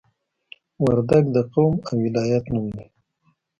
وردګ د قوم او ولایت نوم دی